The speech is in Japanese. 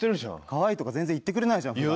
「可愛い」とか全然言ってくれないじゃん普段。